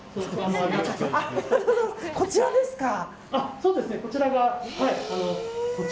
こちらですか。